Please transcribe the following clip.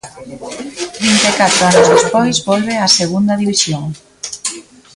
Trinta e catro anos despois volve a Segunda División.